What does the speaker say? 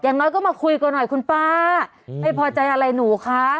น้อยก็มาคุยกันหน่อยคุณป้าไม่พอใจอะไรหนูคะ